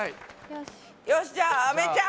よしじゃあアメちゃん。